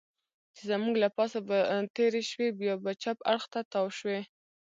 چې زموږ له پاسه به تېرې شوې، بیا به چپ اړخ ته تاو شوې.